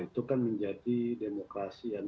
itu kan menjadi demokrasi yang